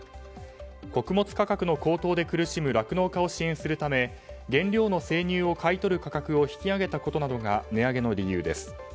穀物価格の高騰で苦しむ酪農家を支援するため原料の生乳を買い取る価格を引き上げたことなどが値上げの理由です。